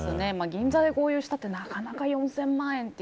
銀座で豪遊したってなかなか４０００万円って。